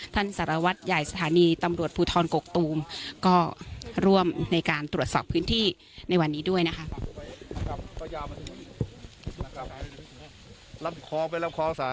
สารวัตรใหญ่สถานีตำรวจภูทรกกตูมก็ร่วมในการตรวจสอบพื้นที่ในวันนี้ด้วยนะคะ